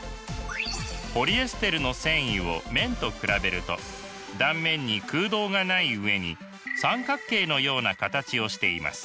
ポリエステルの繊維を綿と比べると断面に空洞がない上に三角形のような形をしています。